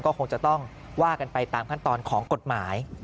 ก็คงจะต้องว่ากันไปตามขั้นตอนของกฎหมาย